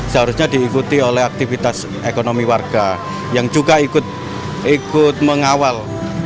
seharusnya diikuti oleh aktivitas ekonomi warga yang juga ikut mengawal